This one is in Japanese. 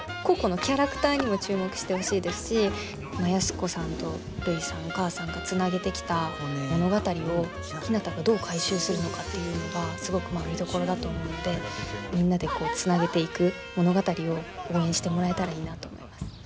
個々のキャラクターにも注目してほしいですし安子さんとるいさんお母さんがつなげてきた物語をひなたがどう回収するのかっていうのがすごく見どころだと思うのでみんなでつなげていく物語を応援してもらえたらいいなと思います。